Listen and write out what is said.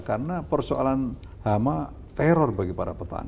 karena persoalan hama teror bagi para petani